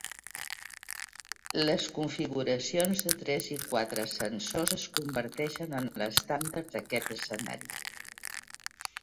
Les configuracions de tres i quatre sensors es converteixen en l’estàndard d’aquest escenari.